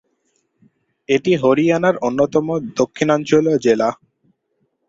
এটি হরিয়ানার অন্যতম দক্ষিণাঞ্চলীয় জেলা।